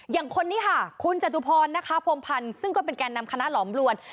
อย่างคนนี้ค่ะคุณจตุพรนะคะพรมพันธ์ซึ่งก็เป็นแก่นำคณะหลอมลวน